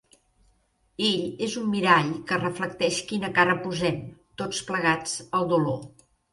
Ell és un mirall que reflecteix quina cara posem, tots plegats, al dolor.